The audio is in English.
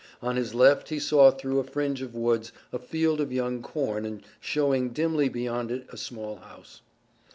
On his left he saw through a fringe of woods a field of young corn and showing dimly beyond it a small house.